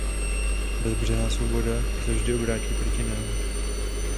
Bezbřehá svoboda se vždy obrátí proti nám.